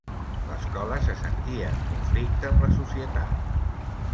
L'escola se sentia en conflicte amb la societat.